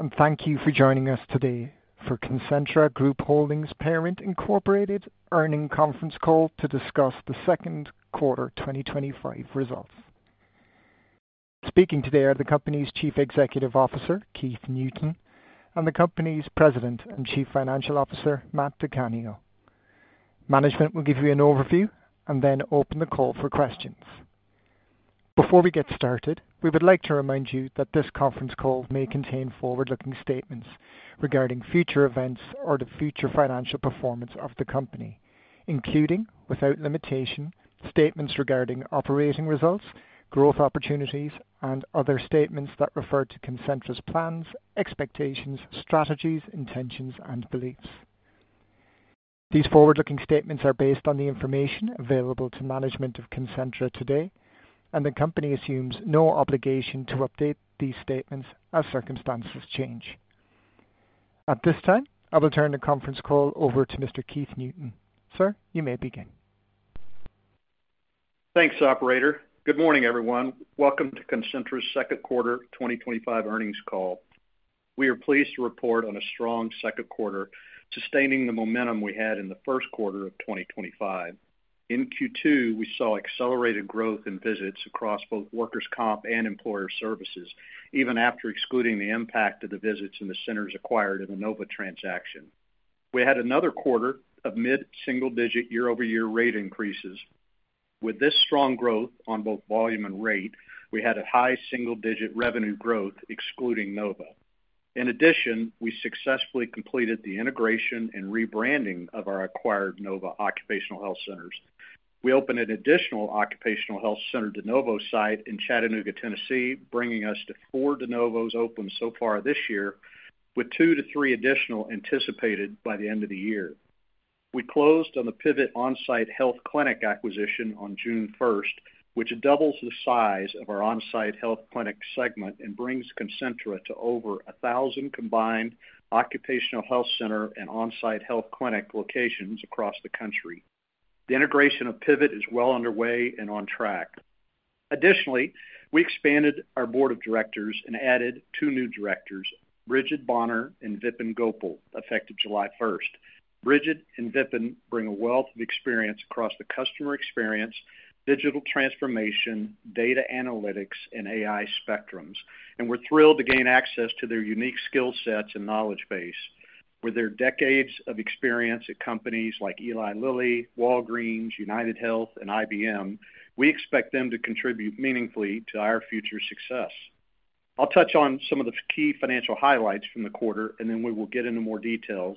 Morning and thank you for joining us today for Concentra Group Holdings Parent Incorporated's earnings conference call to discuss the second quarter 2025 results. Speaking today are the company's Chief Executive Officer, Keith Newton, and the company's President and Chief Financial Officer, Matt DiCanio. Management will give you an overview and then open the call for questions. Before we get started, we would like to remind you that this conference call may contain forward-looking statements regarding future events or the future financial performance of the company, including, without limitation, statements regarding operating results, growth opportunities, and other statements that refer to Concentra's plans, expectations, strategies, intentions, and beliefs. These forward-looking statements are based on the information available to management of Concentra today, and the company assumes no obligation to update these statements as circumstances change. At this time, I will turn the conference call over to Mr. Keith Newton. Sir, you may begin. Thanks, Operator. Good morning, everyone. Welcome to Concentra Group Holdings Parent Incorporated's second quarter 2025 earnings call. We are pleased to report on a strong second quarter, sustaining the momentum we had in the first quarter of 2025. In Q2, we saw accelerated growth in visits across both workers' comp and employer services, even after excluding the impact of the visits in the centers acquired in the Nova Medical Centers transaction. We had another quarter of mid-single-digit year-over-year rate increases. With this strong growth on both volume and rate, we had a high single-digit revenue growth, excluding Nova. In addition, we successfully completed the integration and rebranding of our acquired Nova occupational health centers. We opened an additional occupational health center De Novo site in Chattanooga, Tennessee, bringing us to four De Novos open so far this year, with two to three additional anticipated by the end of the year. We closed on the Pivot OnSite health clinic acquisition on June 1, which doubles the size of our on-site health clinic segment and brings Concentra Group Holdings Parent Incorporated to over 1,000 combined occupational health center and on-site health clinic locations across the country. The integration of Pivot OnSite is well underway and on track. Additionally, we expanded our board of directors and added two new directors, Bridget Bonner and Vipin Gopal, effective July 1. Bridget and Vipin bring a wealth of experience across the customer experience, digital transformation, data analytics, and AI spectrums, and we're thrilled to gain access to their unique skill sets and knowledge base. With their decades of experience at companies like Eli Lilly, Walgreens, UnitedHealth, and IBM, we expect them to contribute meaningfully to our future success. I'll touch on some of the key financial highlights from the quarter, and then we will get into more details.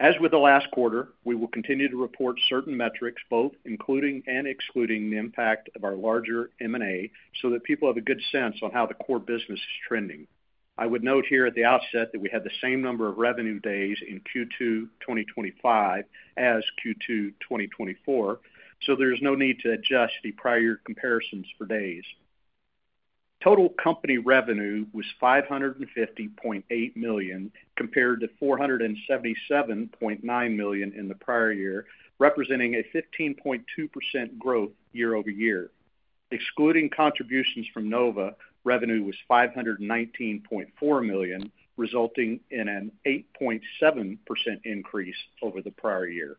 As with the last quarter, we will continue to report certain metrics, both including and excluding the impact of our larger M&A, so that people have a good sense on how the core business is trending. I would note here at the outset that we had the same number of revenue days in Q2 2025 as Q2 2024, so there is no need to adjust the prior year comparisons for days. Total company revenue was $550.8 million compared to $477.9 million in the prior year, representing a 15.2% growth year over year. Excluding contributions from Nova, revenue was $519.4 million, resulting in an 8.7% increase over the prior year.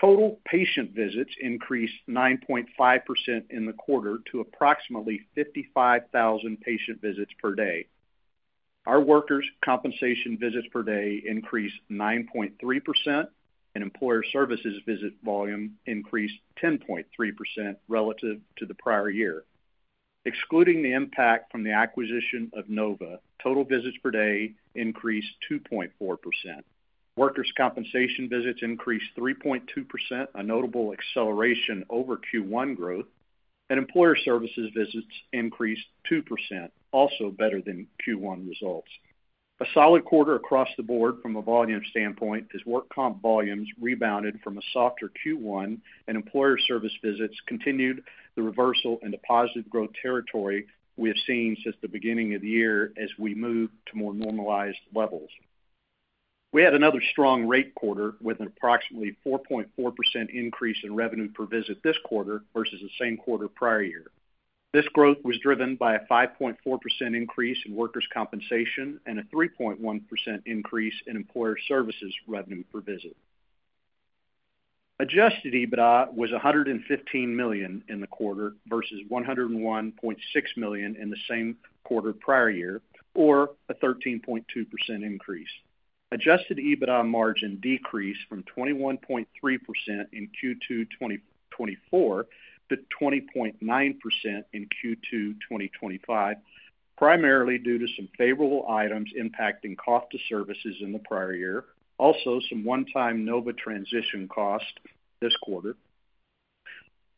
Total patient visits increased 9.5% in the quarter to approximately 55,000 patient visits per day. Our workers' compensation visits per day increased 9.3%, and employer services visit volume increased 10.3% relative to the prior year. Excluding the impact from the acquisition of Nova Medical Centers, total visits per day increased 2.4%. Workers' compensation visits increased 3.2%, a notable acceleration over Q1 growth, and employer services visits increased 2%, also better than Q1 results. A solid quarter across the board from a volume standpoint as work comp volumes rebounded from a softer Q1 and employer service visits continued the reversal into positive growth territory we have seen since the beginning of the year as we move to more normalized levels. We had another strong rate quarter with an approximately 4.4% increase in revenue per visit this quarter versus the same quarter prior year. This growth was driven by a 5.4% increase in workers' compensation and a 3.1% increase in employer services revenue per visit. Adjusted EBITDA was $115 million in the quarter versus $101.6 million in the same quarter prior year, or a 13.2% increase. Adjusted EBITDA margin decreased from 21.3% in Q2 2024 to 20.9% in Q2 2025, primarily due to some favorable items impacting cost of services in the prior year, also some one-time Nova Medical Centers transition costs this quarter,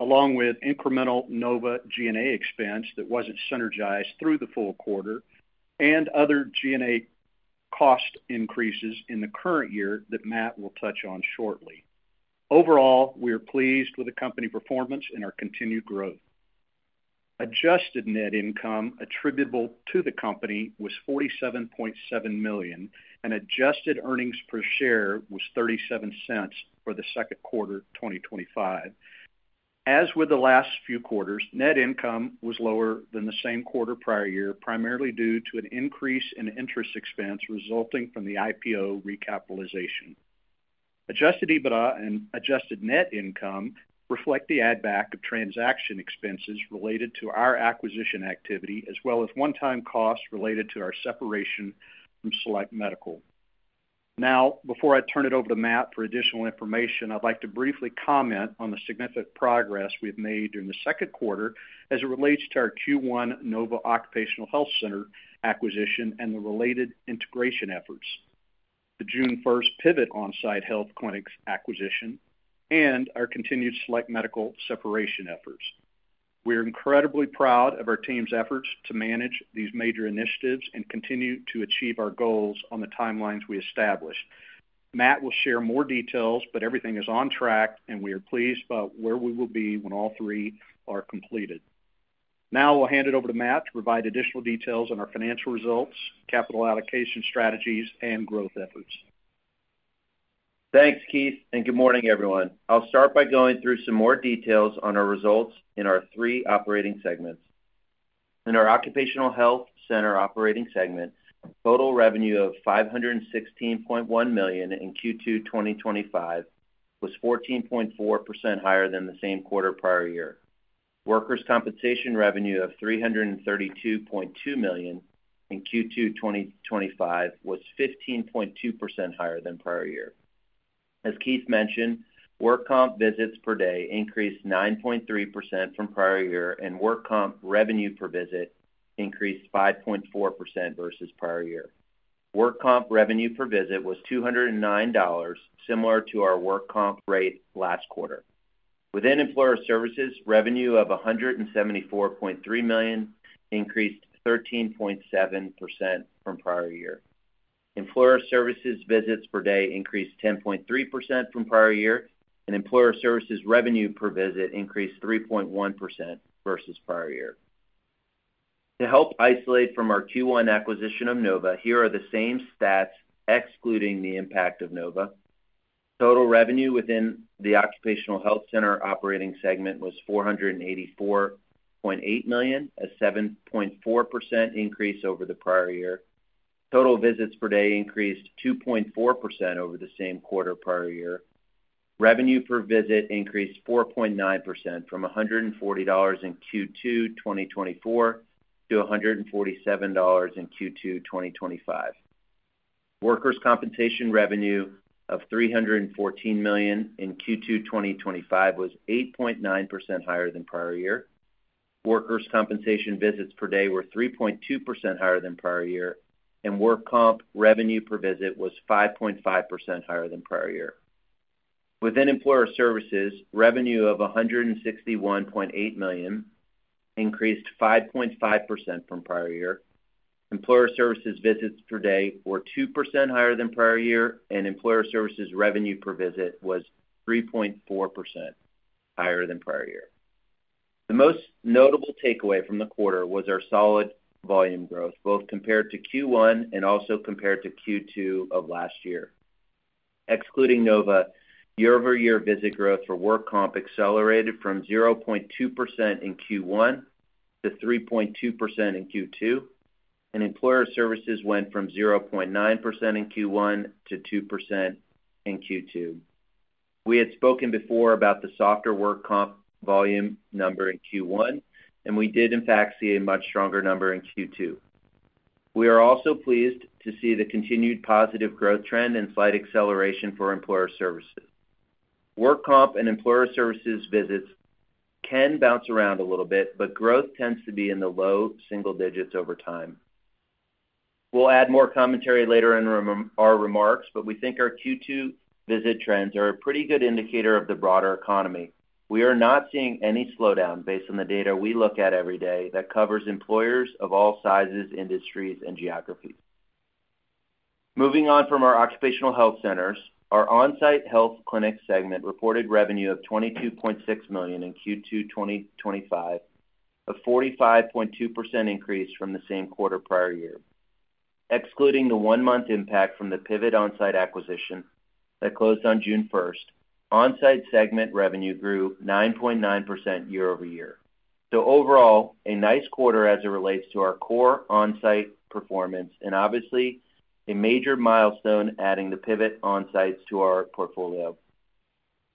along with incremental Nova Medical Centers G&A expense that wasn't synergized through the full quarter and other G&A cost increases in the current year that Matt DiCanio will touch on shortly. Overall, we are pleased with the company performance and our continued growth. Adjusted net income attributable to the company was $47.7 million, and adjusted earnings per share was $0.37 for the second quarter 2025. As with the last few quarters, net income was lower than the same quarter prior year, primarily due to an increase in interest expense resulting from the IPO recapitalization. Adjusted EBITDA and adjusted net income reflect the add-back of transaction expenses related to our acquisition activity, as well as one-time costs related to our separation from Select Medical. Now, before I turn it over to Matt for additional information, I'd like to briefly comment on the significant progress we've made during the second quarter as it relates to our Q1 Nova Medical Centers acquisition and the related integration efforts, the June 1 Pivot OnSite health clinics acquisition, and our continued Select Medical separation efforts. We are incredibly proud of our team's efforts to manage these major initiatives and continue to achieve our goals on the timelines we established. Matt will share more details, but everything is on track, and we are pleased about where we will be when all three are completed. Now, I'll hand it over to Matt to provide additional details on our financial results, capital allocation strategies, and growth efforts. Thanks, Keith, and good morning, everyone. I'll start by going through some more details on our results in our three operating segments. In our occupational health center operating segment, total revenue of $516.1 million in Q2 2025 was 14.4% higher than the same quarter prior year. Workers' compensation revenue of $332.2 million in Q2 2025 was 15.2% higher than prior year. As Keith mentioned, work comp visits per day increased 9.3% from prior year, and work comp revenue per visit increased 5.4% versus prior year. Work comp revenue per visit was $209, similar to our work comp rate last quarter. Within employer services, revenue of $174.3 million increased 13.7% from prior year. Employer services visits per day increased 10.3% from prior year, and employer services revenue per visit increased 3.1% versus prior year. To help isolate from our Q1 acquisition of Nova Medical Centers, here are the same stats excluding the impact of Nova. Total revenue within the occupational health center operating segment was $484.8 million, a 7.4% increase over the prior year. Total visits per day increased 2.4% over the same quarter prior year. Revenue per visit increased 4.9% from $140 in Q2 2024 to $147 in Q2 2025. Workers' compensation revenue of $314 million in Q2 2025 was 8.9% higher than prior year. Workers' compensation visits per day were 3.2% higher than prior year, and work comp revenue per visit was 5.5% higher than prior year. Within employer services, revenue of $161.8 million increased 5.5% from prior year. Employer services visits per day were 2% higher than prior year, and employer services revenue per visit was 3.4% higher than prior year. The most notable takeaway from the quarter was our solid volume growth, both compared to Q1 and also compared to Q2 of last year. Excluding Nova, year-over-year visit growth for work comp accelerated from 0.2% in Q1 to 3.2% in Q2, and employer services went from 0.9% in Q1 to 2% in Q2. We had spoken before about the softer work comp volume number in Q1, and we did, in fact, see a much stronger number in Q2. We are also pleased to see the continued positive growth trend and slight acceleration for employer services. Work comp and employer services visits can bounce around a little bit, but growth tends to be in the low single digits over time. We'll add more commentary later in our remarks, but we think our Q2 visit trends are a pretty good indicator of the broader economy. We are not seeing any slowdown based on the data we look at every day that covers employers of all sizes, industries, and geographies. Moving on from our occupational health centers, our on-site health clinic segment reported revenue of $22.6 million in Q2 2025, a 45.2% increase from the same quarter prior year. Excluding the one-month impact from the Pivot OnSite acquisition that closed on June 1, on-site segment revenue grew 9.9% year over year. Overall, a nice quarter as it relates to our core on-site performance and obviously a major milestone adding the Pivot OnSite locations to our portfolio.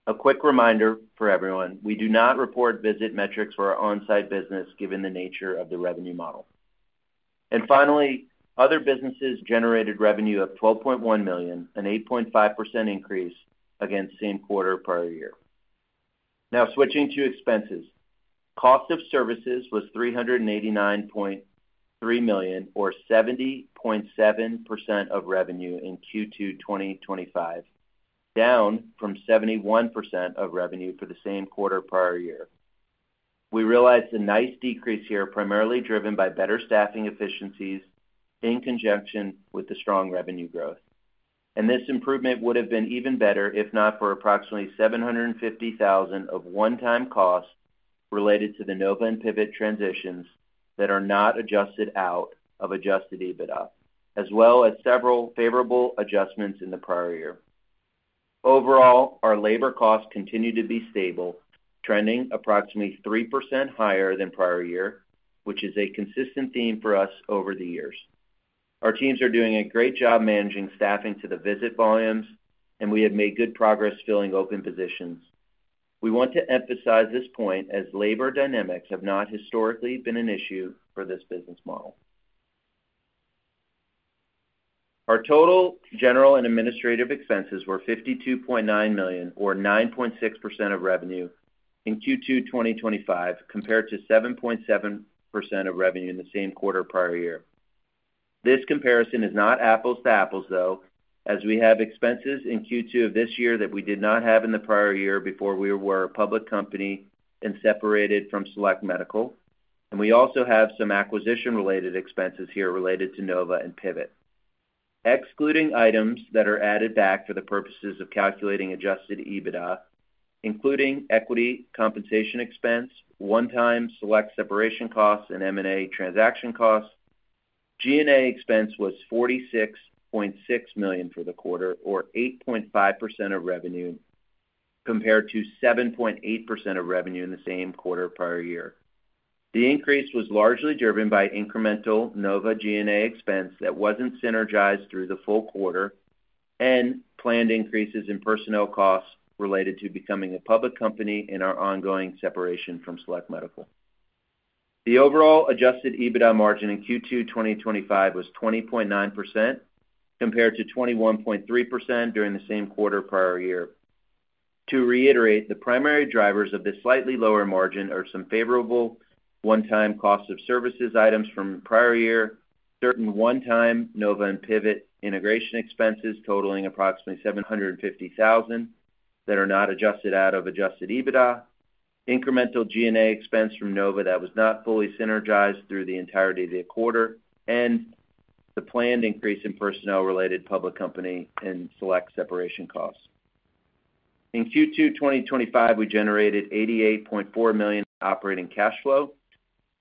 A quick reminder for everyone, we do not report visit metrics for our on-site business given the nature of the revenue model. Finally, other businesses generated revenue of $12.1 million, an 8.5% increase against the same quarter prior year. Now switching to expenses, cost of services was $389.3 million, or 70.7% of revenue in Q2 2025, down from 71% of revenue for the same quarter prior year. We realized a nice decrease here primarily driven by better staffing efficiencies in conjunction with the strong revenue growth. This improvement would have been even better if not for approximately $750,000 of one-time costs related to the Nova and Pivot transitions that are not adjusted out of adjusted EBITDA, as well as several favorable adjustments in the prior year. Overall, our labor costs continue to be stable, trending approximately 3% higher than prior year, which is a consistent theme for us over the years. Our teams are doing a great job managing staffing to the visit volumes, and we have made good progress filling open positions. We want to emphasize this point as labor dynamics have not historically been an issue for this business model. Our total general and administrative expenses were $52.9 million, or 9.6% of revenue in Q2 2025, compared to 7.7% of revenue in the same quarter prior year. This comparison is not apples to apples, though, as we have expenses in Q2 of this year that we did not have in the prior year before we were a public company and separated from Select Medical. We also have some acquisition-related expenses here related to Nova and Pivot. Excluding items that are added back for the purposes of calculating adjusted EBITDA, including equity compensation expense, one-time Select separation costs, and M&A transaction costs, G&A expense was $46.6 million for the quarter, or 8.5% of revenue compared to 7.8% of revenue in the same quarter prior year. The increase was largely driven by incremental Nova G&A expense that wasn't synergized through the full quarter and planned increases in personnel costs related to becoming a public company and our ongoing separation from Select Medical. The overall adjusted EBITDA margin in Q2 2025 was 20.9% compared to 21.3% during the same quarter prior year. To reiterate, the primary drivers of this slightly lower margin are some favorable one-time cost of services items from the prior year, certain one-time Nova and Pivot integration expenses totaling approximately $750,000 that are not adjusted out of adjusted EBITDA, incremental G&A expense from Nova that was not fully synergized through the entirety of the quarter, and the planned increase in personnel related public company and Select separation costs. In Q2 2025, we generated $88.4 million operating cash flow.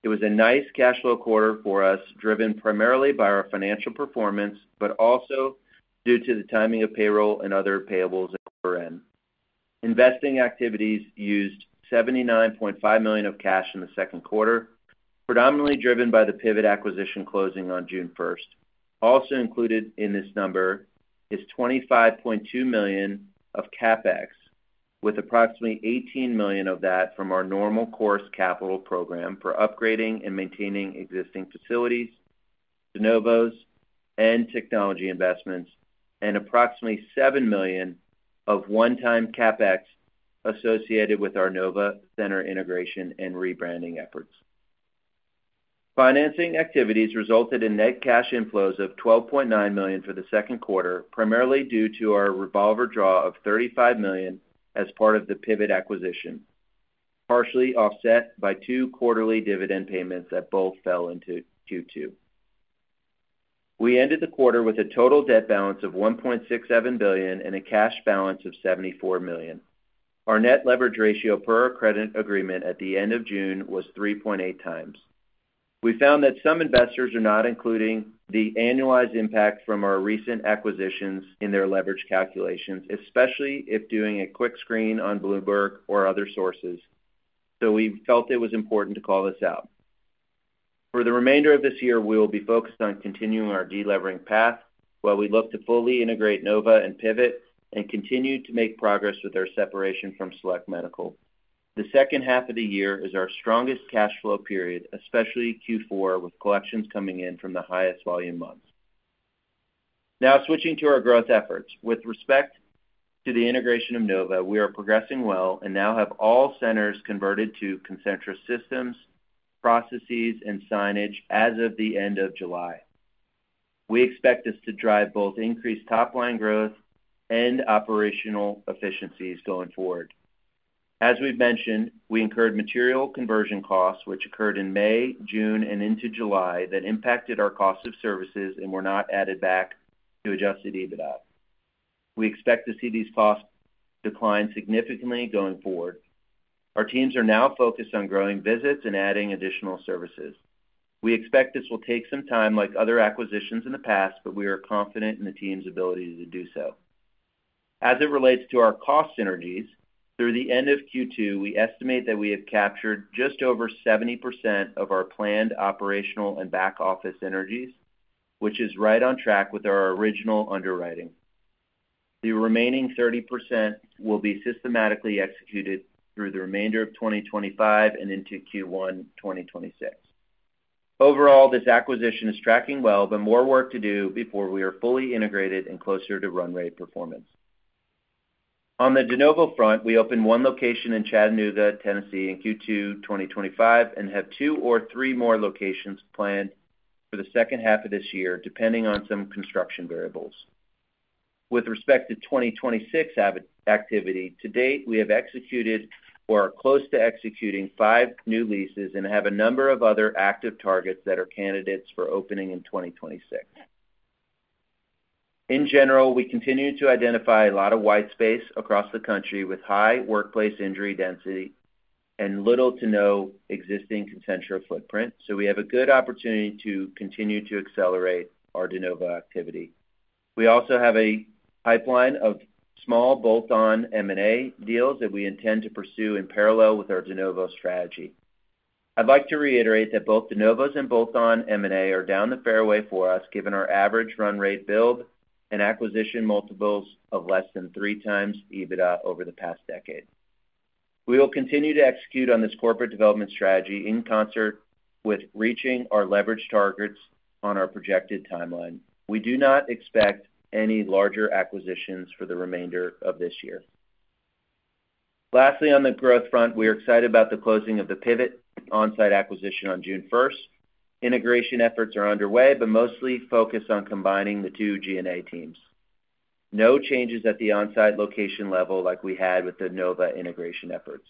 It was a nice cash flow quarter for us, driven primarily by our financial performance, but also due to the timing of payroll and other payables at quarter end. Investing activities used $79.5 million of cash in the second quarter, predominantly driven by the Pivot acquisition closing on June 1st. Also included in this number is $25.2 million of CapEx, with approximately $18 million of that from our normal course capital program for upgrading and maintaining existing facilities, De Novo expansion, and technology investments, and approximately $7 million of one-time CapEx associated with our Nova center integration and rebranding efforts. Financing activities resulted in net cash inflows of $12.9 million for the second quarter, primarily due to our revolver draw of $35 million as part of the Pivot acquisition, partially offset by two quarterly dividend payments that both fell into Q2. We ended the quarter with a total debt balance of $1.67 billion and a cash balance of $74 million. Our net leverage ratio per our credit agreement at the end of June was 3.8 times. We found that some investors are not including the annualized impacts from our recent acquisitions in their leverage calculations, especially if doing a quick screen on Bloomberg or other sources, so we felt it was important to call this out. For the remainder of this year, we will be focused on continuing our delevering path while we look to fully integrate Nova Medical Centers and Pivot OnSite and continue to make progress with our separation from Select Medical. The second half of the year is our strongest cash flow period, especially Q4, with collections coming in from the highest volume months. Now switching to our growth efforts. With respect to the integration of Nova Medical Centers, we are progressing well and now have all centers converted to Concentra systems, processes, and signage as of the end of July. We expect this to drive both increased top-line growth and operational efficiencies going forward. As we've mentioned, we incurred material conversion costs, which occurred in May, June, and into July that impacted our cost of services and were not added back to adjusted EBITDA. We expect to see these costs decline significantly going forward. Our teams are now focused on growing visits and adding additional services. We expect this will take some time like other acquisitions in the past, but we are confident in the team's ability to do so. As it relates to our cost synergies, through the end of Q2, we estimate that we have captured just over 70% of our planned operational and back-office synergies, which is right on track with our original underwriting. The remaining 30% will be systematically executed through the remainder of 2025 and into Q1 2026. Overall, this acquisition is tracking well, but more work to do before we are fully integrated and closer to run rate performance. On the De Novo front, we opened one location in Chattanooga, Tennessee, in Q2 2025 and have two or three more locations planned for the second half of this year, depending on some construction variables. With respect to 2026 activity, to date we have executed or are close to executing five new leases and have a number of other active targets that are candidates for opening in 2026. In general, we continue to identify a lot of white space across the country with high workplace injury density and little to no existing Concentra footprint, so we have a good opportunity to continue to accelerate our De Novo activity. We also have a pipeline of small bolt-on M&A deals that we intend to pursue in parallel with our De Novo strategy. I'd like to reiterate that both De Novos and bolt-on M&A are down the fairway for us given our average run rate build and acquisition multiples of less than 3 times EBITDA over the past decade. We will continue to execute on this corporate development strategy in concert with reaching our leverage targets on our projected timeline. We do not expect any larger acquisitions for the remainder of this year. Lastly, on the growth front, we are excited about the closing of the Pivot OnSite acquisition on June 1. Integration efforts are underway, but mostly focused on combining the two G&A teams. No changes at the on-site location level like we had with the Nova integration efforts.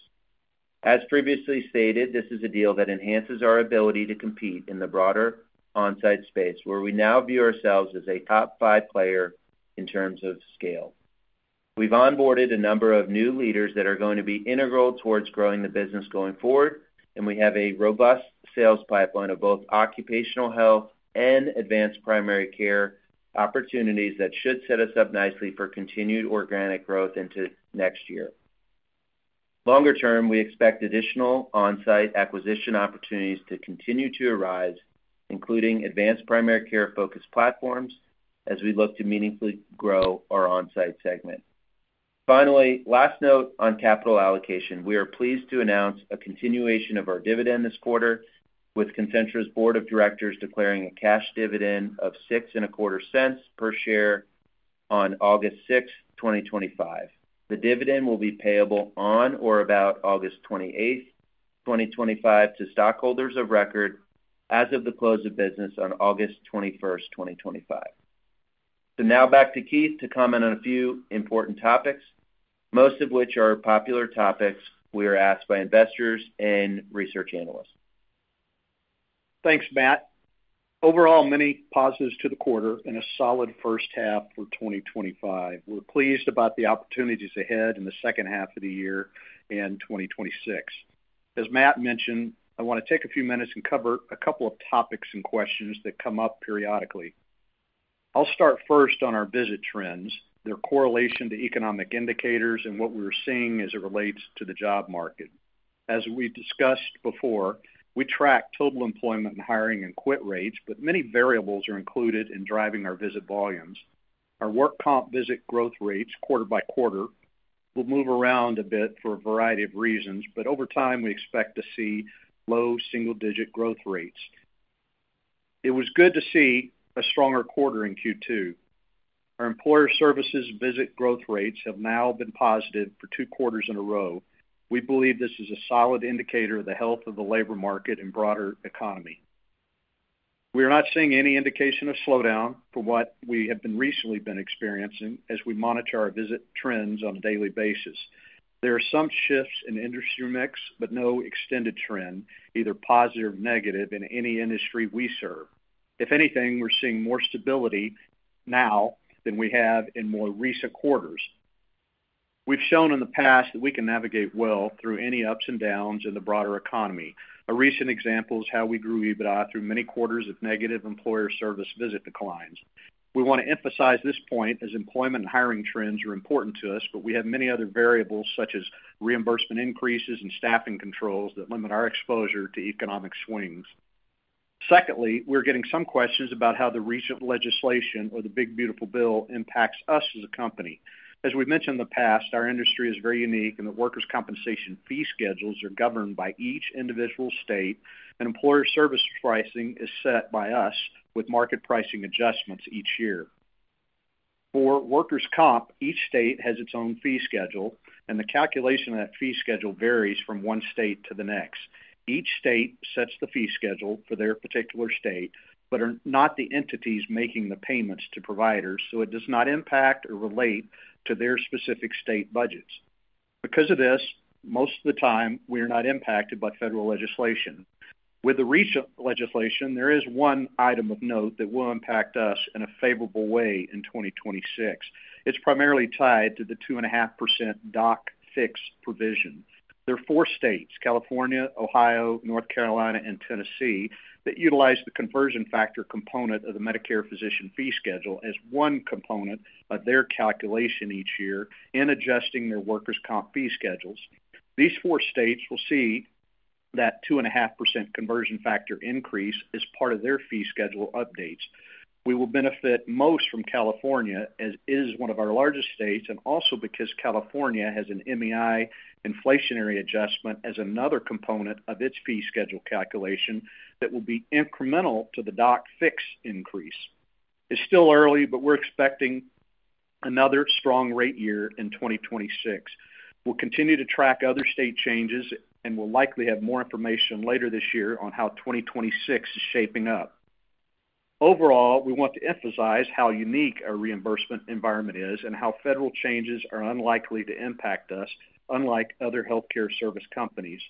As previously stated, this is a deal that enhances our ability to compete in the broader on-site space, where we now view ourselves as a top five player in terms of scale. We've onboarded a number of new leaders that are going to be integral towards growing the business going forward, and we have a robust sales pipeline of both occupational health and advanced primary care opportunities that should set us up nicely for continued organic growth into next year. Longer term, we expect additional on-site acquisition opportunities to continue to arise, including advanced primary care focused platforms, as we look to meaningfully grow our on-site segment. Finally, last note on capital allocation, we are pleased to announce a continuation of our dividend this quarter, with Concentra's board of directors declaring a cash dividend of $0.0625 per share on August 6, 2025. The dividend will be payable on or about August 28, 2025, to stockholders of record as of the close of business on August 21, 2025. Now back to Keith to comment on a few important topics, most of which are popular topics we are asked by investors and research analysts. Thanks, Matt. Overall, many positives to the quarter and a solid first half for 2025. We're pleased about the opportunities ahead in the second half of the year and 2026. As Matt mentioned, I want to take a few minutes and cover a couple of topics and questions that come up periodically. I'll start first on our visit trends, their correlation to economic indicators, and what we're seeing as it relates to the job market. As we discussed before, we track total employment and hiring and quit rates, but many variables are included in driving our visit volumes. Our work comp visit growth rates quarter by quarter will move around a bit for a variety of reasons, but over time we expect to see low single-digit growth rates. It was good to see a stronger quarter in Q2. Our employer services visit growth rates have now been positive for two quarters in a row. We believe this is a solid indicator of the health of the labor market and broader economy. We are not seeing any indication of slowdown for what we have been recently experiencing as we monitor our visit trends on a daily basis. There are some shifts in industry mix, but no extended trend, either positive or negative in any industry we serve. If anything, we're seeing more stability now than we have in more recent quarters. We've shown in the past that we can navigate well through any ups and downs in the broader economy. A recent example is how we grew EBITDA through many quarters of negative employer service visit declines. We want to emphasize this point as employment and hiring trends are important to us, but we have many other variables such as reimbursement increases and staffing controls that limit our exposure to economic swings. Secondly, we're getting some questions about how the recent legislation or the Big Beautiful Bill impacts us as a company. As we've mentioned in the past, our industry is very unique in that workers' compensation fee schedules are governed by each individual state, and employer service pricing is set by us with market pricing adjustments each year. For workers' comp, each state has its own fee schedule, and the calculation of that fee schedule varies from one state to the next. Each state sets the fee schedule for their particular state, but are not the entities making the payments to providers, so it does not impact or relate to their specific state budgets. Because of this, most of the time we are not impacted by federal legislation. With the recent legislation, there is one item of note that will impact us in a favorable way in 2026. It's primarily tied to the 2.5% DOC fix provision. There are four states: California, Ohio, North Carolina, and Tennessee that utilize the conversion factor component of the Medicare physician fee schedule as one component of their calculation each year in adjusting their workers' comp fee schedules. These four states will see that 2.5% conversion factor increase as part of their fee schedule updates. We will benefit most from California, as it is one of our largest states, and also because California has an MEI inflationary adjustment as another component of its fee schedule calculation that will be incremental to the DOC fix increase. It's still early, but we're expecting another strong rate year in 2026. We'll continue to track other state changes, and we'll likely have more information later this year on how 2026 is shaping up. Overall, we want to emphasize how unique our reimbursement environment is and how federal changes are unlikely to impact us, unlike other healthcare service companies.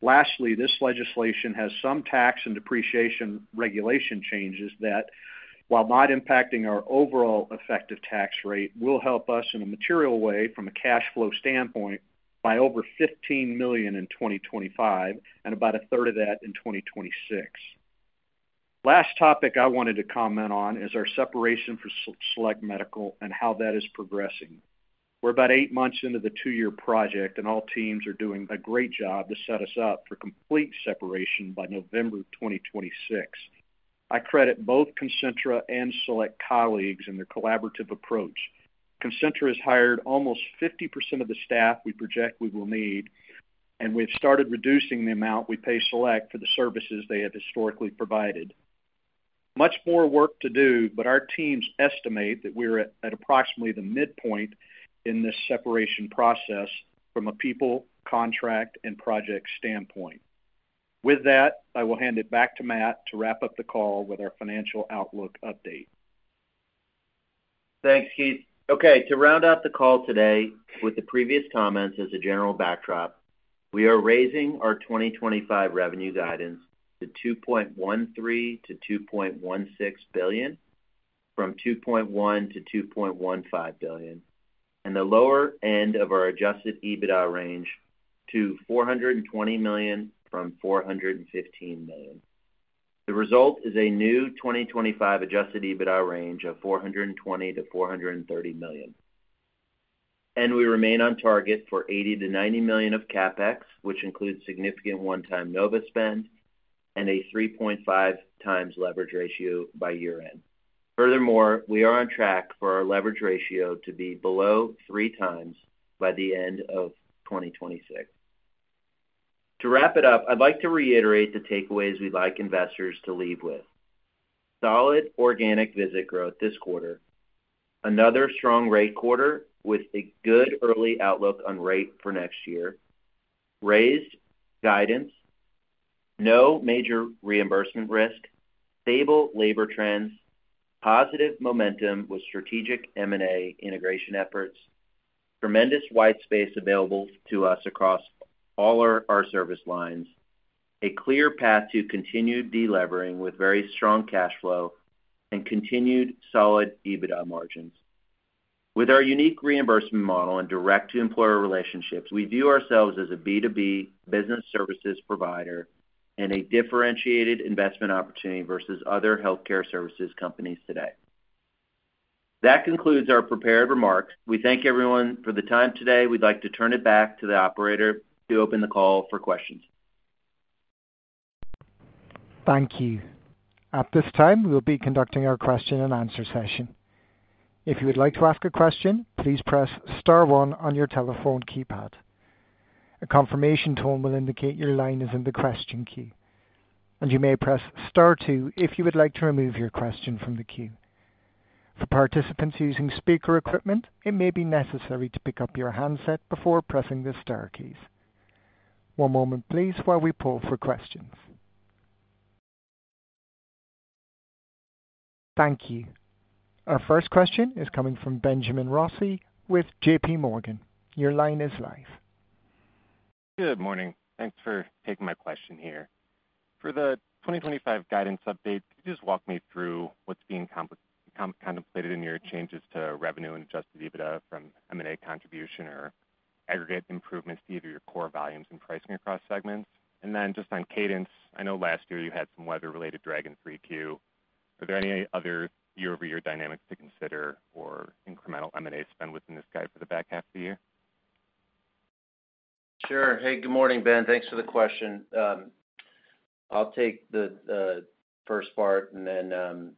Lastly, this legislation has some tax and depreciation regulation changes that, while not impacting our overall effective tax rate, will help us in a material way from a cash flow standpoint by over $15 million in 2025 and about a third of that in 2026. Last topic I wanted to comment on is our separation from Select Medical and how that is progressing. We're about eight months into the two-year project, and all teams are doing a great job to set us up for complete separation by November 2026. I credit both Concentra and Select colleagues in their collaborative approach. Concentra has hired almost 50% of the staff we project we will need, and we've started reducing the amount we pay Select for the services they have historically provided. Much more work to do, but our teams estimate that we're at approximately the midpoint in this separation process from a people, contract, and project standpoint. With that, I will hand it back to Matt to wrap up the call with our financial outlook update. Thanks, Keith. Okay, to round out the call today with the previous comments as a general backdrop, we are raising our 2025 revenue guidance to $2.13 billion-$2.16 billion, from $2.1 billion-$2.15 billion, and the lower end of our adjusted EBITDA range to $420 million from $415 million. The result is a new 2025 adjusted EBITDA range of $420 million-$430 million. We remain on target for $80 million-$90 million of CapEx, which includes significant one-time Nova spend and a 3.5 times leverage ratio by year end. Furthermore, we are on track for our leverage ratio to be below 3 times by the end of 2026. To wrap it up, I'd like to reiterate the takeaways we'd like investors to leave with: solid organic visit growth this quarter, another strong rate quarter with a good early outlook on rate for next year, raised guidance, no major reimbursement risk, stable labor trends, positive momentum with strategic M&A integration efforts, tremendous white space available to us across all our service lines, a clear path to continued delevering with very strong cash flow, and continued solid EBITDA margins. With our unique reimbursement model and direct-to-employer relationships, we view ourselves as a B2B business services provider and a differentiated investment opportunity versus other healthcare services companies today. That concludes our prepared remarks. We thank everyone for the time today. We'd like to turn it back to the operator to open the call for questions. Thank you. At this time, we'll be conducting our question and answer session. If you would like to ask a question, please press *1 on your telephone keypad. A confirmation tone will indicate your line is in the question queue, and you may press *2 if you would like to remove your question from the queue. For participants using speaker equipment, it may be necessary to pick up your handset before pressing the * keys. One moment, please, while we pull for questions. Thank you. Our first question is coming from Benjamin Rossi with JPMorgan. Your line is live. Good morning. Thanks for taking my question here. For the 2025 guidance update, could you just walk me through what's being contemplated in your changes to revenue and adjusted EBITDA from M&A contribution or aggregate improvements to either your core volumes and pricing across segments? Just on cadence, I know last year you had some weather-related drag in 3Q. Are there any other year-over-year dynamics to consider or incremental M&A spend within this guide for the back half of the year? Sure. Good morning, Ben. Thanks for the question. I'll take the first part, and then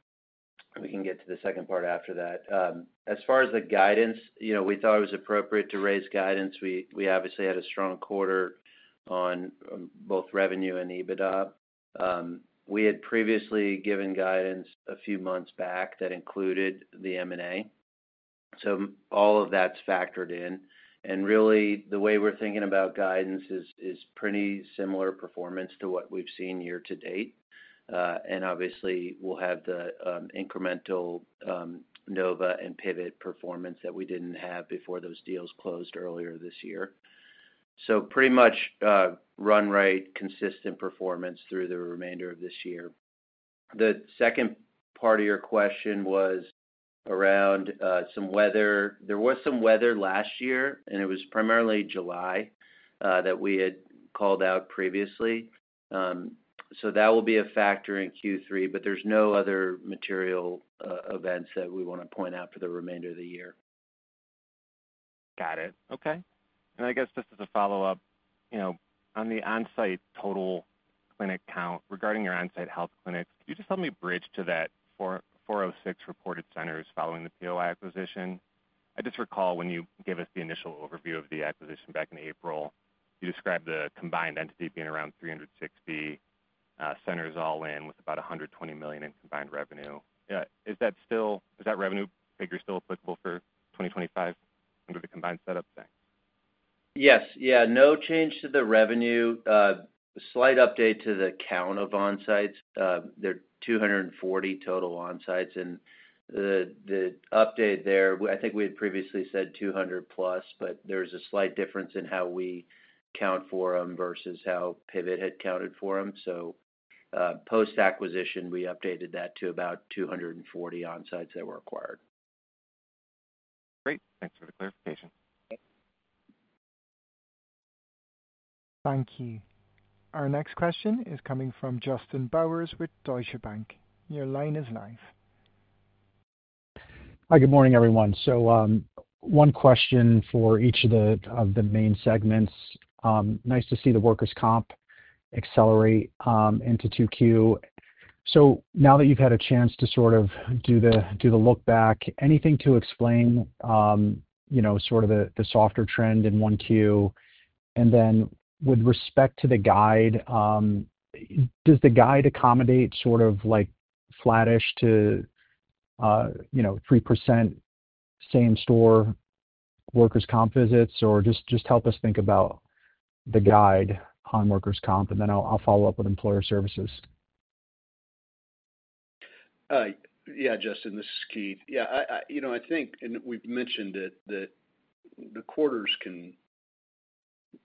we can get to the second part after that. As far as the guidance, we thought it was appropriate to raise guidance. We obviously had a strong quarter on both revenue and EBITDA. We had previously given guidance a few months back that included the M&A. All of that's factored in. Really, the way we're thinking about guidance is pretty similar performance to what we've seen year to date. Obviously, we'll have the incremental Nova Medical Centers and Pivot OnSite performance that we didn't have before those deals closed earlier this year. Pretty much run rate consistent performance through the remainder of this year. The second part of your question was around some weather. There was some weather last year, and it was primarily July that we had called out previously. That will be a factor in Q3, but there's no other material events that we want to point out for the remainder of the year. Got it. Okay. Just as a follow-up, on the on-site total clinic count regarding your on-site health clinics, could you help me bridge to that 406 reported centers following the Pivot OnSite acquisition? I just recall when you gave us the initial overview of the acquisition back in April, you described the combined entity being around 360 centers all in with about $120 million in combined revenue. Is that revenue figure still applicable for 2025 under the combined setup? Yes. Yeah, no change to the revenue. A slight update to the count of on-sites. There are 240 total on-sites, and the update there, I think we had previously said 200 plus, but there's a slight difference in how we count for them versus how Pivot OnSite had counted for them. Post-acquisition, we updated that to about 240 on-sites that were acquired. Great. Thanks for the clarification. Thank you. Our next question is coming from Justin Bowers with Deutsche Bank. Your line is live. Hi, good morning, everyone. One question for each of the main segments. Nice to see the workers' comp accelerate into 2Q. Now that you've had a chance to sort of do the look back, anything to explain the softer trend in 1Q? With respect to the guide, does the guide accommodate flattish to 3% same store workers' comp visits, or just help us think about the guide on workers' comp, and then I'll follow up with employer services. Yeah, Justin, this is Keith. I think, and we've mentioned it, that the quarters can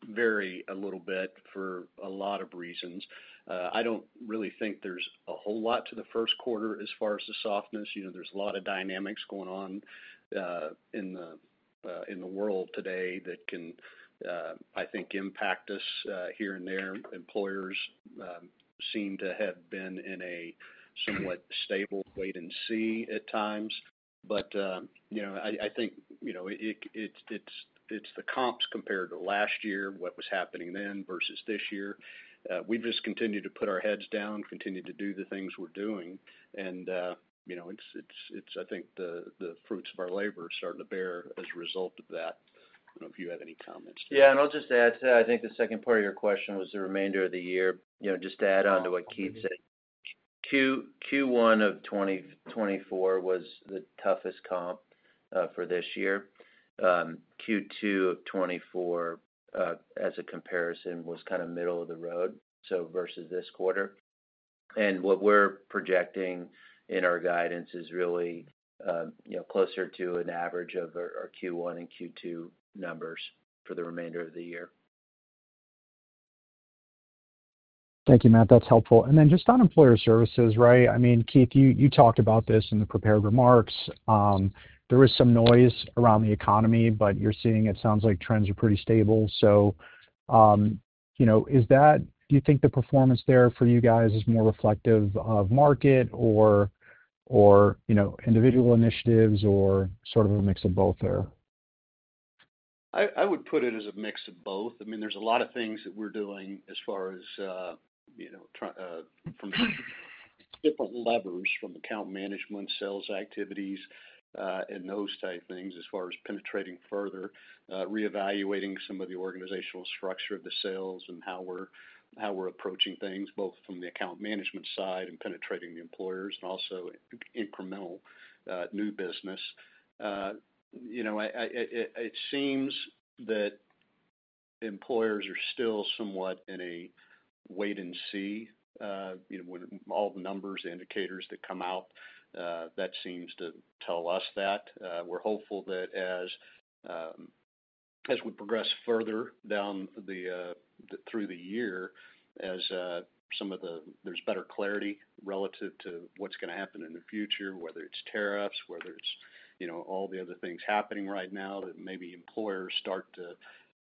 vary a little bit for a lot of reasons. I don't really think there's a whole lot to the first quarter as far as the softness. There's a lot of dynamics going on in the world today that can, I think, impact us here and there. Employers seem to have been in a somewhat stable wait-and-see at times. I think it's the comps compared to last year, what was happening then versus this year. We've just continued to put our heads down, continued to do the things we're doing, and I think the fruits of our labor are starting to bear as a result of that. I don't know if you have any comments. Yeah, and I'll just add to that. I think the second part of your question was the remainder of the year. Just to add on to what Keith said, Q1 of 2024 was the toughest comp for this year. Q2 of 2024, as a comparison, was kind of middle of the road, so versus this quarter. What we're projecting in our guidance is really, you know, closer to an average of our Q1 and Q2 numbers for the remainder of the year. Thank you, Matt. That's helpful. Just on employer services, right? Keith, you talked about this in the prepared remarks. There was some noise around the economy, but you're seeing it sounds like trends are pretty stable. Do you think the performance there for you guys is more reflective of market, or individual initiatives, or sort of a mix of both there? I would put it as a mix of both. I mean, there's a lot of things that we're doing as far as trying from different levers, from account management, sales activities, and those type things as far as penetrating further, reevaluating some of the organizational structure of the sales and how we're approaching things both from the account management side and penetrating the employers and also incremental, new business. It seems that employers are still somewhat in a wait-and-see, you know, when all the numbers, the indicators that come out, that seems to tell us that. We're hopeful that as we progress further through the year, as there's better clarity relative to what's going to happen in the future, whether it's tariffs, whether it's all the other things happening right now, that maybe employers start to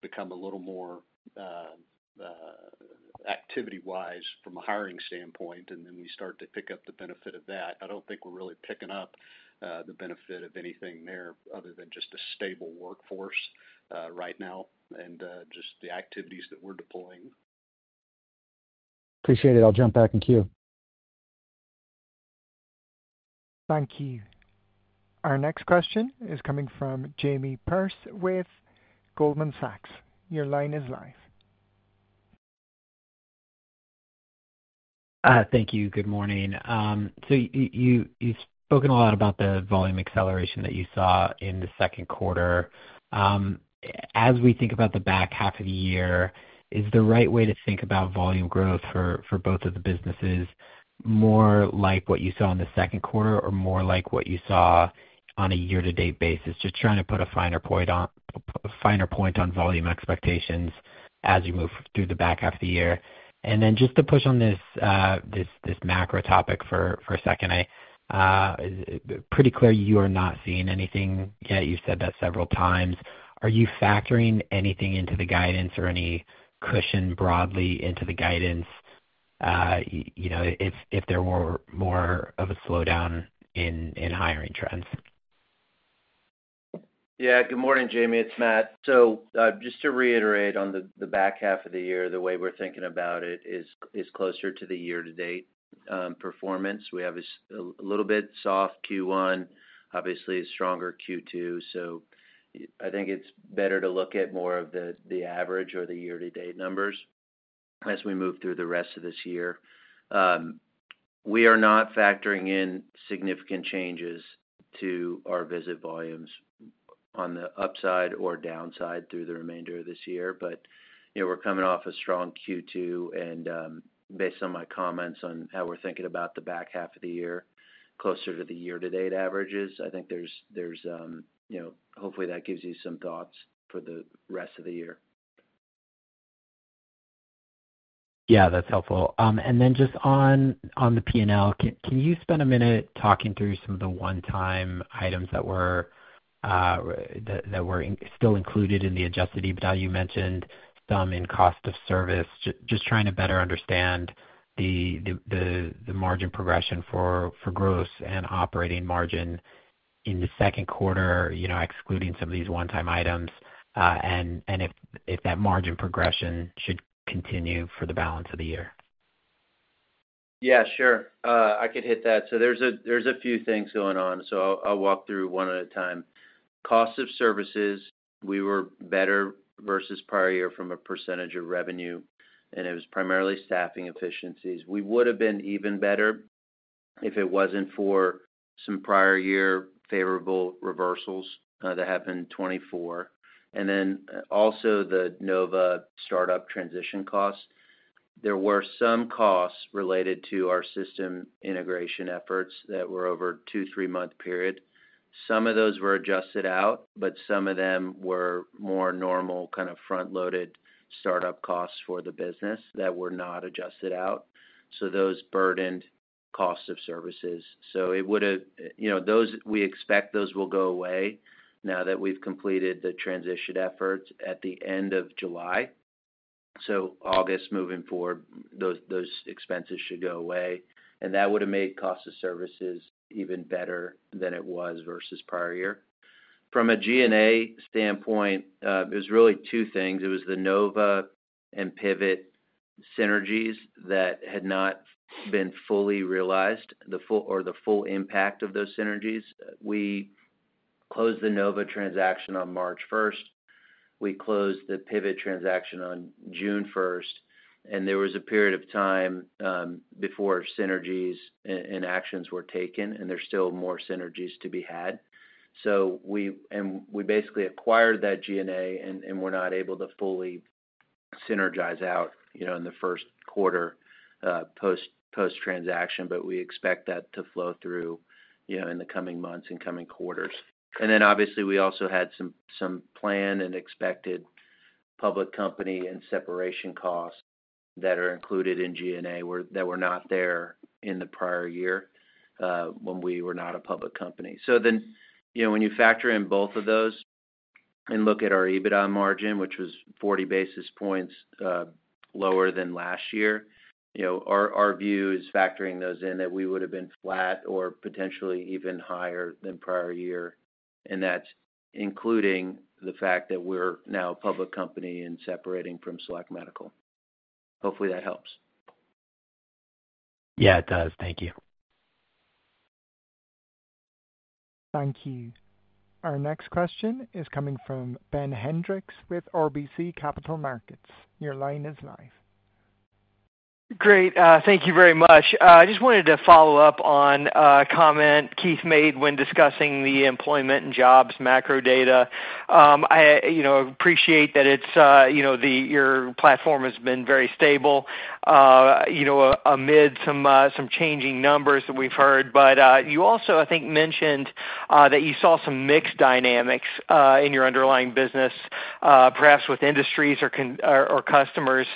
become a little more activity-wise from a hiring standpoint, and then we start to pick up the benefit of that. I don't think we're really picking up the benefit of anything there other than just a stable workforce right now and just the activities that we're deploying. Appreciate it. I'll jump back in queue. Thank you. Our next question is coming from Jamie Perse with Goldman Sachs. Your line is live. Thank you. Good morning. You've spoken a lot about the volume acceleration that you saw in the second quarter. As we think about the back half of the year, is the right way to think about volume growth for both of the businesses more like what you saw in the second quarter or more like what you saw on a year-to-date basis? I'm just trying to put a finer point on volume expectations as we move through the back half of the year. To push on this macro topic for a second, it is pretty clear you are not seeing anything yet. You've said that several times. Are you factoring anything into the guidance or any cushion broadly into the guidance if there were more of a slowdown in hiring trends? Yeah. Good morning, Jamie. It's Matt. Just to reiterate on the back half of the year, the way we're thinking about it is closer to the year-to-date performance. We had a little bit soft Q1, obviously a stronger Q2. I think it's better to look at more of the average or the year-to-date numbers as we move through the rest of this year. We are not factoring in significant changes to our visit volumes on the upside or downside through the remainder of this year. You know, we're coming off a strong Q2. Based on my comments on how we're thinking about the back half of the year closer to the year-to-date averages, I think there's, you know, hopefully that gives you some thoughts for the rest of the year. Yeah, that's helpful. Can you spend a minute talking through some of the one-time items that were still included in the adjusted EBITDA? You mentioned some in cost of service. Just trying to better understand the margin progression for gross and operating margin in the second quarter, excluding some of these one-time items, and if that margin progression should continue for the balance of the year. Yeah, sure. I could hit that. There's a few things going on. I'll walk through one at a time. Cost of services, we were better versus prior year from a percentage of revenue, and it was primarily staffing efficiencies. We would have been even better if it wasn't for some prior year favorable reversals that happened in 2024, and then also the Nova startup transition costs. There were some costs related to our system integration efforts that were over a two to three-month period. Some of those were adjusted out, but some of them were more normal, kind of front-loaded startup costs for the business that were not adjusted out. Those burdened cost of services. We expect those will go away now that we've completed the transition efforts at the end of July. August moving forward, those expenses should go away. That would have made cost of services even better than it was versus prior year. From a G&A standpoint, it was really two things. It was the Nova and Pivot synergies that had not been fully realized, the full impact of those synergies. We closed the Nova transaction on March 1, and we closed the Pivot transaction on June 1. There was a period of time before synergies and actions were taken, and there's still more synergies to be had. We basically acquired that G&A and were not able to fully synergize out in the first quarter post-transaction, but we expect that to flow through in the coming months and coming quarters. We also had some planned and expected public company and separation costs that are included in G&A that were not there in the prior year, when we were not a public company. When you factor in both of those and look at our EBITDA margin, which was 40 basis points lower than last year, our view is factoring those in that we would have been flat or potentially even higher than prior year. That's including the fact that we're now a public company and separating from Select Medical. Hopefully, that helps. Yeah, it does. Thank you. Thank you. Our next question is coming from Ben Hendrix with RBC Capital Markets. Your line is live. Great. Thank you very much. I just wanted to follow up on a comment Keith made when discussing the employment and jobs macro data. I appreciate that your platform has been very stable amid some changing numbers that we've heard. You also, I think, mentioned that you saw some mixed dynamics in your underlying business, perhaps with industries or customers.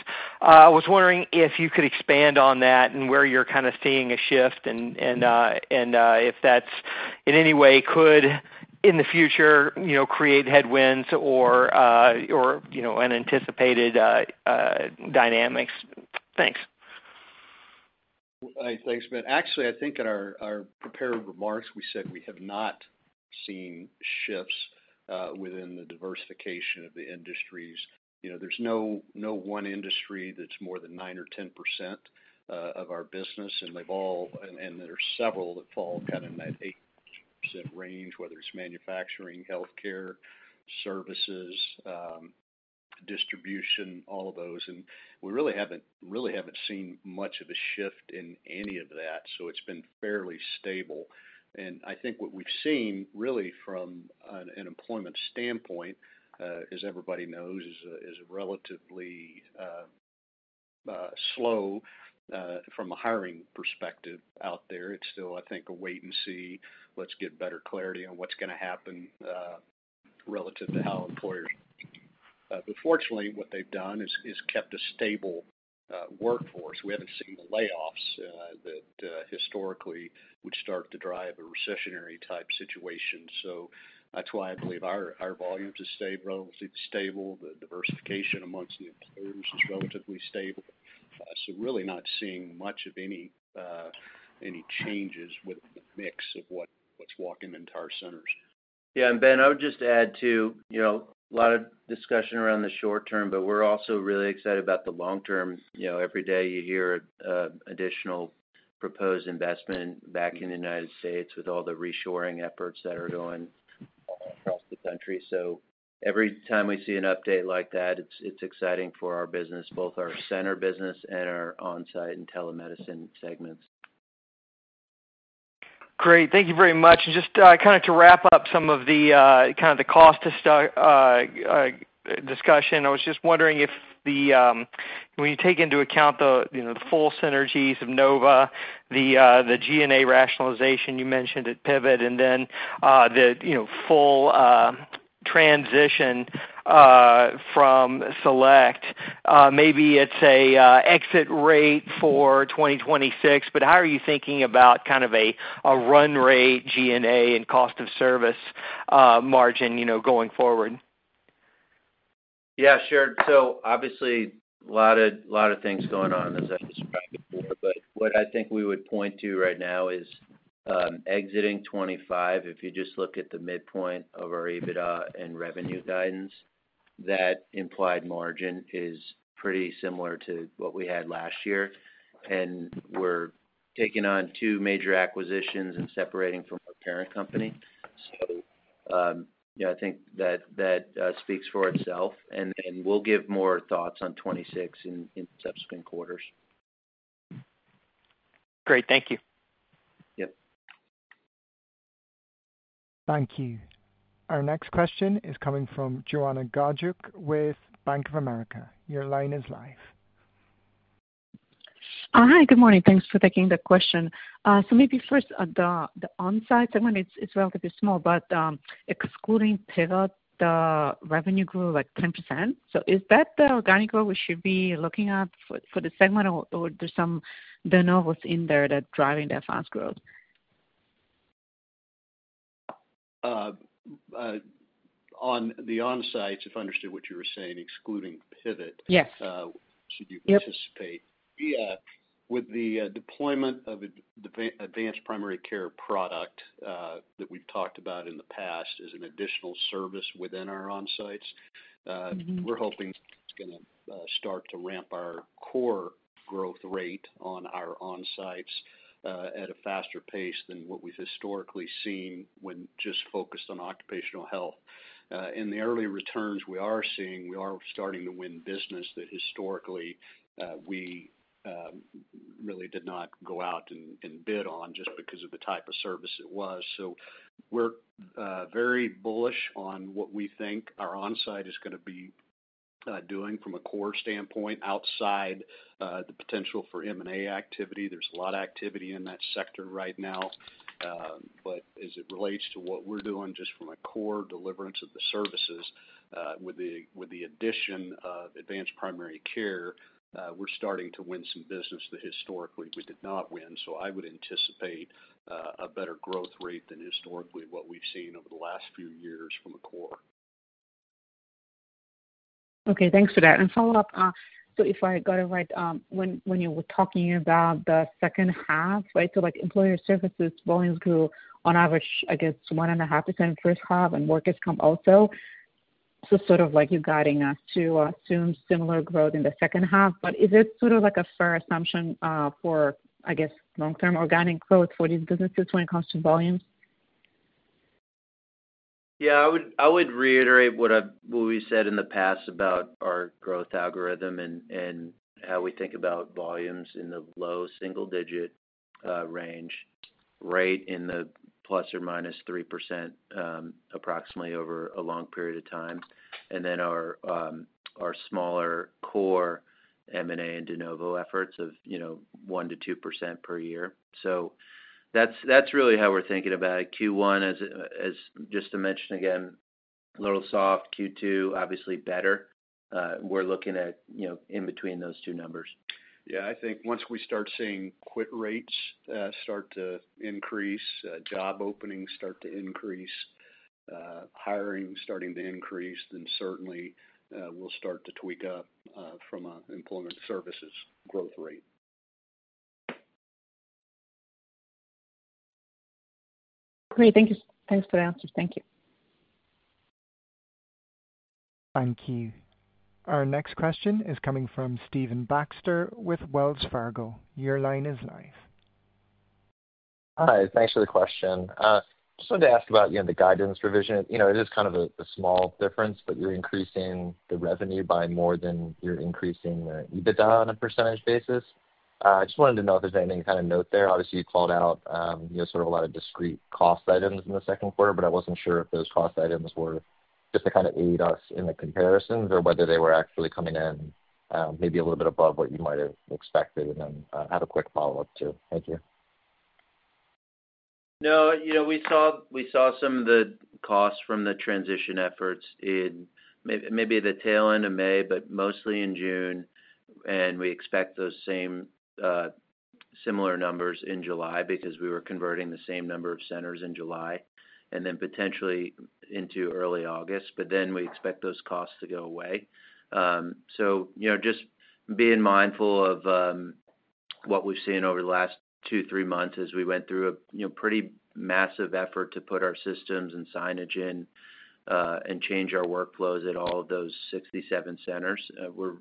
I was wondering if you could expand on that and where you're kind of seeing a shift, and if that's in any way could, in the future, create headwinds or unanticipated dynamics. Thanks. Thanks, Ben. Actually, I think in our prepared remarks, we said we have not seen shifts within the diversification of the industries. There's no one industry that's more than 9% or 10% of our business, and there are several that fall kind of in that 8% range, whether it's manufacturing, healthcare, services, distribution, all of those. We really haven't seen much of a shift in any of that. It's been fairly stable. I think what we've seen really from an employment standpoint, as everybody knows, is a relatively slow, from a hiring perspective out there. It's still, I think, a wait-and-see. Let's get better clarity on what's going to happen, relative to how employers, but fortunately, what they've done is kept a stable workforce. We haven't seen the layoffs that historically would start to drive a recessionary type situation. That's why I believe our volumes have stayed relatively stable. The diversification amongst the employers is relatively stable, so really not seeing much of any changes within the mix of what's walking into our centers. Yeah. Ben, I would just add to a lot of discussion around the short term, but we're also really excited about the long term. Every day you hear additional proposed investment back in the United States with all the reshoring efforts that are going across the country. Every time we see an update like that, it's exciting for our business, both our center business and our on-site and telemedicine segments. Great. Thank you very much. Just to wrap up some of the cost discussion, I was just wondering if, when you take into account the full synergies of Nova Medical Centers, the G&A rationalization you mentioned at Pivot OnSite, and then the full transition from Select Medical, maybe it's an exit rate for 2026. How are you thinking about a run rate G&A and cost of service margin going forward? Yeah, sure. Obviously, a lot of things going on as I've described before. What I think we would point to right now is, exiting 2025, if you just look at the midpoint of our EBITDA and revenue guidance, that implied margin is pretty similar to what we had last year. We're taking on two major acquisitions and separating from our parent company. I think that speaks for itself. We'll give more thoughts on 2026 in subsequent quarters. Great, thank you. Yep. Thank you. Our next question is coming from Joanna Gajuk with Bank of America. Your line is live. All right. Good morning. Thanks for taking the question. The on-site segment is relatively small, but excluding Pivot OnSite, the revenue grew like 10%. Is that the organic growth we should be looking at for the segment, or are there some de novos in there that are driving that fast growth? On the on-site, if I understood what you were saying, excluding Pivot OnSite. Yes. Should you participate? Yeah. With the deployment of an advanced primary care product that we've talked about in the past as an additional service within our on-sites, we're hoping it's going to start to ramp our core growth rate on our on-sites at a faster pace than what we've historically seen when just focused on occupational health. In the early returns we are seeing, we are starting to win business that historically we really did not go out and bid on just because of the type of service it was. We're very bullish on what we think our on-site is going to be doing from a core standpoint outside the potential for M&A activity. There's a lot of activity in that sector right now. As it relates to what we're doing just from a core deliverance of the services, with the addition of advanced primary care, we're starting to win some business that historically we did not win. I would anticipate a better growth rate than historically what we've seen over the last few years from a core. Okay. Thanks for that. Following up, if I got it right, when you were talking about the second half, employer services volumes grew on average, I guess, 1.5% in the first half and workers' comp also. You're guiding us to assume similar growth in the second half. Is it a fair assumption, for, I guess, long-term organic growth for these businesses when it comes to volume? Yeah, I would reiterate what we said in the past about our growth algorithm and how we think about volumes in the low single-digit range, right, in the plus or minus 3% approximately over a long period of time. Then our smaller core M&A and de novo efforts of 1%-2% per year. That's really how we're thinking about it. Q1, as just to mention again, a little soft. Q2, obviously better. We're looking at in between those two numbers. I think once we start seeing quit rates start to increase, job openings start to increase, hiring starting to increase, then certainly, we'll start to tweak up from an employment services growth rate. Great. Thank you. Thanks for the answers. Thank you. Thank you. Our next question is coming from Stephen Baxter with Wells Fargo. Your line is live. Hi. Thanks for the question. I just wanted to ask about the guidance revision. It is kind of a small difference, but you're increasing the revenue by more than you're increasing the EBITDA on a percentage basis. I just wanted to know if there's any kind of note there. Obviously, you called out a lot of discrete cost items in the second quarter, but I wasn't sure if those cost items were just to aid us in the comparisons or whether they were actually coming in maybe a little bit above what you might have expected. I have a quick follow-up too. Thank you. No. We saw some of the costs from the transition efforts in maybe the tail end of May, but mostly in June. We expect those same, similar numbers in July because we were converting the same number of centers in July and then potentially into early August. We expect those costs to go away. Just being mindful of what we've seen over the last two, three months as we went through a pretty massive effort to put our systems and signage in, and change our workflows at all of those 67 centers. We're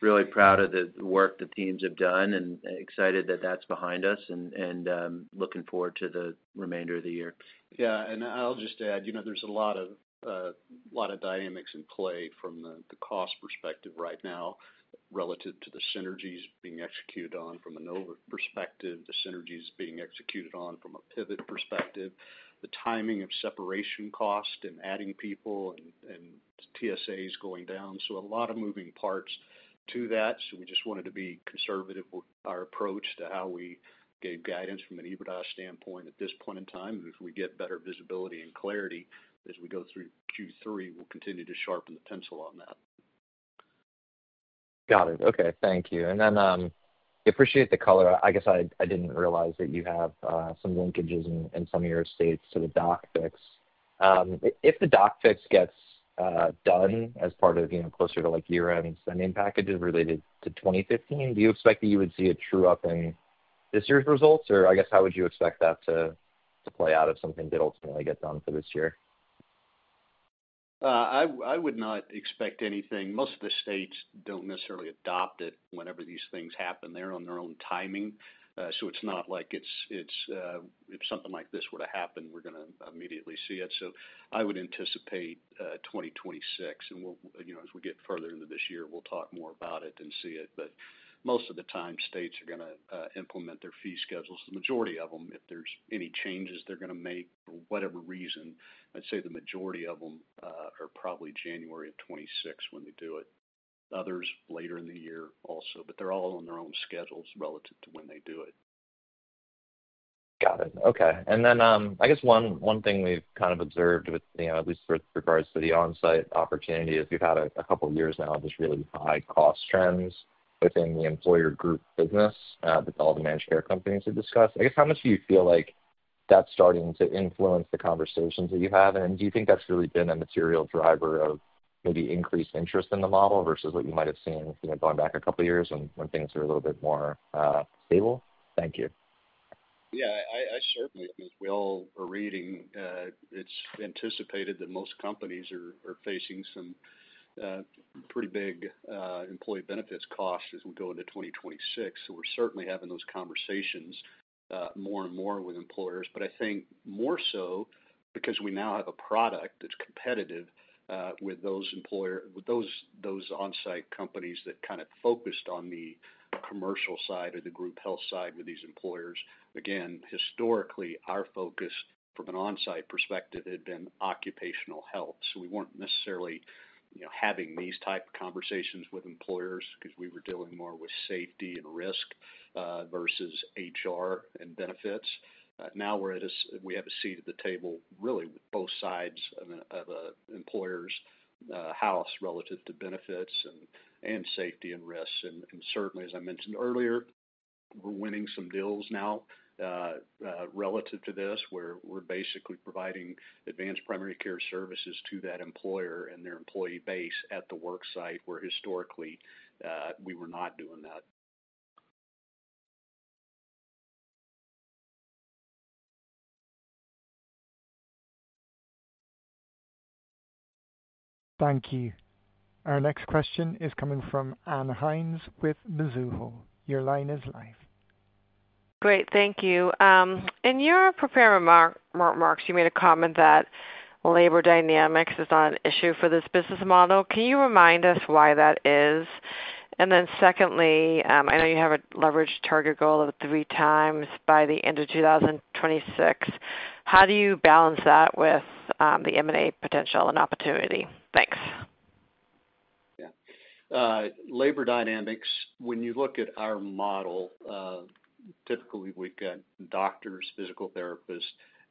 really proud of the work that teams have done and excited that that's behind us and looking forward to the remainder of the year. Yeah, I'll just add, there's a lot of dynamics in play from the cost perspective right now relative to the synergies being executed on from a Nova perspective, the synergies being executed on from a Pivot perspective, the timing of separation cost and adding people and TSAs going down. There are a lot of moving parts to that. We just wanted to be conservative with our approach to how we gave guidance from an EBITDA standpoint at this point in time. If we get better visibility and clarity as we go through Q3, we'll continue to sharpen the pencil on that. Got it. Okay. Thank you. I appreciate the caller. I guess I didn't realize that you have some linkages in some of your states to the DOC fix. If the DOC fix gets done as part of, you know, closer to year-end spending packages related to 2015, do you expect that you would see a true up in this year's results, or I guess how would you expect that to play out if something did ultimately get done for this year? I would not expect anything. Most of the states don't necessarily adopt it whenever these things happen. They're on their own timing. It's not like if something like this were to happen, we're going to immediately see it. I would anticipate 2026. As we get further into this year, we'll talk more about it and see it. Most of the time, states are going to implement their fee schedules. The majority of them, if there's any changes they're going to make for whatever reason, I'd say the majority of them are probably January of 2026 when they do it. Others later in the year also, but they're all on their own schedules relative to when they do it. Got it. Okay. One thing we've kind of observed, at least with regards to the on-site opportunity, is we've had a couple of years now of just really high-cost trends within the employer group business that all the managed care companies have discussed. How much do you feel like that's starting to influence the conversations that you have? Do you think that's really been a material driver of maybe increased interest in the model versus what you might have seen going back a couple of years when things were a little bit more stable? Thank you. I mean, we all are reading, it's anticipated that most companies are facing some pretty big employee benefits costs as we go into 2026. We're certainly having those conversations more and more with employers. I think more so because we now have a product that's competitive with those employers, with those on-site companies that kind of focused on the commercial side or the group health side with these employers. Historically, our focus from an on-site perspective had been occupational health. We weren't necessarily having these type of conversations with employers because we were dealing more with safety and risk, versus HR and benefits. Now we're at a, we have a seat at the table really with both sides of an employer's house relative to benefits and safety and risks. Certainly, as I mentioned earlier, we're winning some deals now relative to this where we're basically providing advanced primary care services to that employer and their employee base at the work site where historically, we were not doing that. Thank you. Our next question is coming from Anne Hines with Mizuho. Your line is live. Great. Thank you. In your prepared remarks, you made a comment that labor dynamics is not an issue for this business model. Can you remind us why that is? Secondly, I know you have a leverage target goal of 3x by the end of 2026. How do you balance that with the M&A potential and opportunity? Thanks. Yeah. Labor dynamics, when you look at our model, typically, we've got doctors, physical therapists,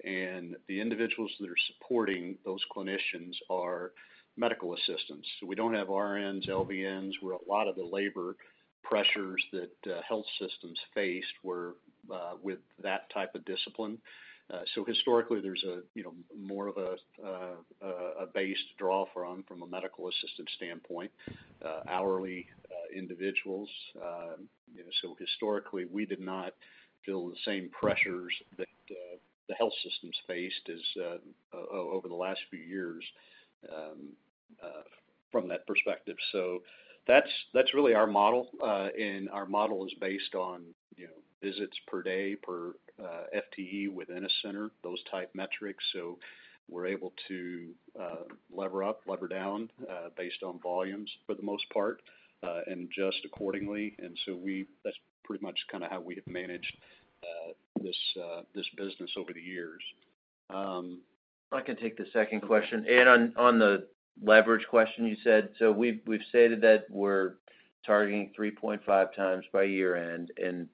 and the individuals that are supporting those clinicians are medical assistants. We don't have RNs, LBNs. A lot of the labor pressures that health systems faced were with that type of discipline. Historically, there's more of a base draw from a medical assistant standpoint, hourly individuals. Historically, we did not feel the same pressures that the health systems faced over the last few years from that perspective. That's really our model. Our model is based on visits per day, per FTE within a center, those type metrics. We're able to lever up, lever down, based on volumes for the most part, and adjust accordingly. That's pretty much kind of how we have managed this business over the years. I can take the second question. On the leverage question, you said, we've stated that we're targeting 3.5 times by year-end and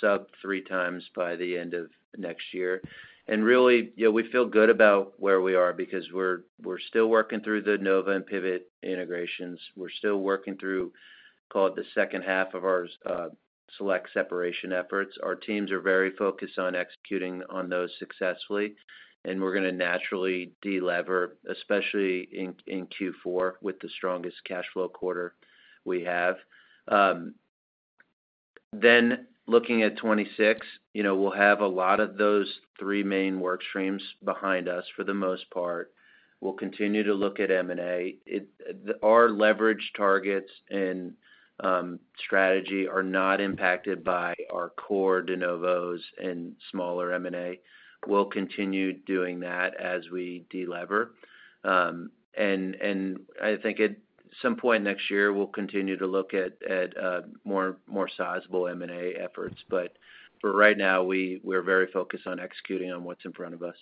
sub 3 times by the end of next year. We feel good about where we are because we're still working through the Nova Medical Centers and Pivot OnSite integrations. We're still working through, call it, the second half of our Select Medical separation efforts. Our teams are very focused on executing on those successfully. We're going to naturally delever, especially in Q4 with the strongest cash flow quarter we have. Looking at 2026, we'll have a lot of those three main work streams behind us for the most part. We'll continue to look at M&A. Our leverage targets and strategy are not impacted by our core de novos and smaller M&A. We'll continue doing that as we delever. I think at some point next year, we'll continue to look at more sizable M&A efforts. For right now, we're very focused on executing on what's in front of us.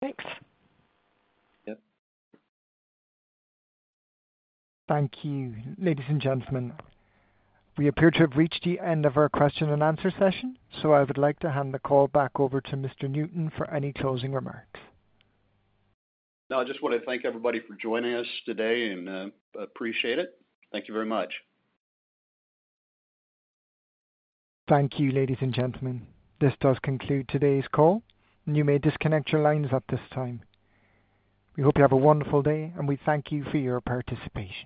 Thanks. Yep. Thank you, ladies and gentlemen. We appear to have reached the end of our question and answer session. I would like to hand the call back over to Mr. Newton for any closing remarks. No, I just want to thank everybody for joining us today and appreciate it. Thank you very much. Thank you, ladies and gentlemen. This does conclude today's call, and you may disconnect your lines at this time. We hope you have a wonderful day, and we thank you for your participation.